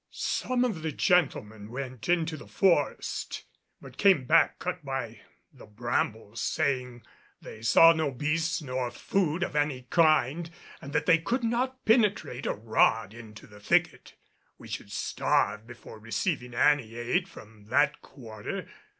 Some of the gentlemen went into the forest, but came back cut by the brambles, saying they saw no beasts nor food of any kind and that they could not penetrate a rod into the thicket; we should starve before receiving any aid from that quarter.